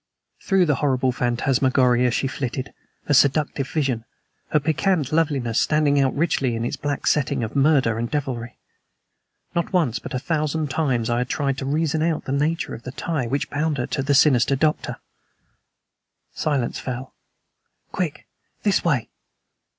Through the horrible phantasmagoria she flitted a seductive vision, her piquant loveliness standing out richly in its black setting of murder and devilry. Not once, but a thousand times, I had tried to reason out the nature of the tie which bound her to the sinister Doctor. Silence fell. "Quick! This way!"